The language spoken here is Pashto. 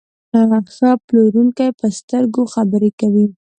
ښه پلورونکی په سترګو خبرې کوي.